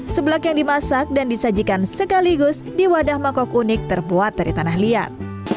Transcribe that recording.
sebelak yang dimasak dan disajikan sekaligus di wadah mangkok unik terbuat dari tanah liat